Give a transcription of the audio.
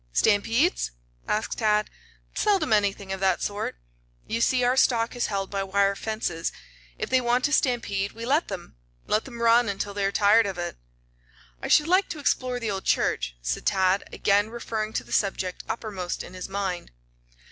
"Stampedes?" asked Tad. "Seldom anything of that sort. You see our stock is held by wire fences. If they want to stampede we let them let them run until they are tired of it." "I should like to explore the old church," said Tad, again referring to the subject uppermost in his mind.